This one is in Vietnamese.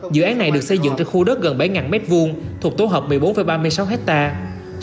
dự án này được xây dựng trên khu đất gần bảy m hai thuộc tổ hợp một mươi bốn ba mươi sáu hectare